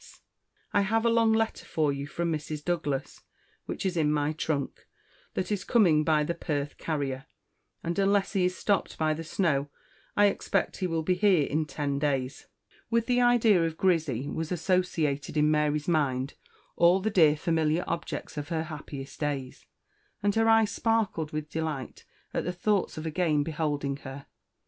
_ I have a long letter for you from Mrs. Douglas, which is in my Trunk, that is Coming by the Perth Carrier, and unless he is stopped by the Snow, I Expect he will be here in ten days." With the idea of Grizzy was associated in Mary's mind all the dear familiar objects of her happiest days, and her eyes sparkled with delight at the thoughts of again beholding her.